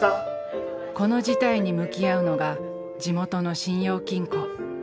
この事態に向き合うのが地元の信用金庫。